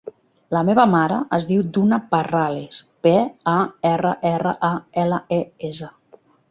La meva mare es diu Duna Parrales: pe, a, erra, erra, a, ela, e, essa.